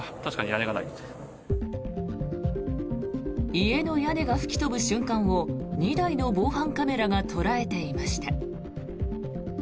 家の屋根が吹き飛ぶ瞬間を２台の防犯カメラが捉えていました。